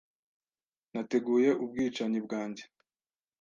Nateguye ubwicanyi bwanjye.